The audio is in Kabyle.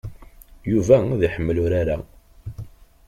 Yuba ad iḥemmel urar-a.